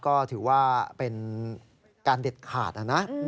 ก็ถือว่าเป็นการเด็ดขาดนะนะ